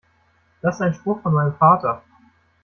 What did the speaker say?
Das ist ein Spruch von meinem Vater.